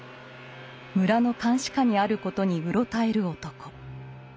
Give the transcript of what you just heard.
村の監視下にあることにうろたえる男。